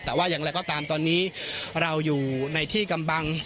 แต่ว่าอย่างไรก็ตามตอนนี้เราอยู่ในที่กำบัง